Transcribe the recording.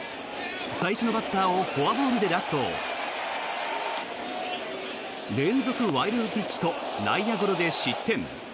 最初のバッターをフォアボールで出すと連続ワイルドピッチと内野ゴロで失点。